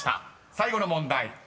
［最後の問題